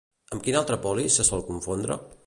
Amb quina altra polis se sol confondre?